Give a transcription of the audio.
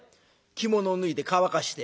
着物を脱いで乾かして。